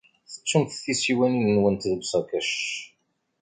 Tettumt tisiwanin-nwent deg usakac.